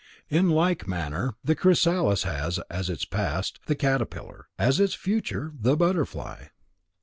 In like manner, the chrysalis has, as its past, the caterpillar; as its future, the butterfly.